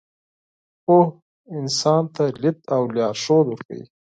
پوهه انسان ته لید او لارښود ورکوي.